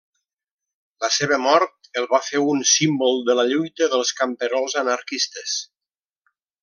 La seva mort el va fer un símbol de la lluita dels camperols anarquistes.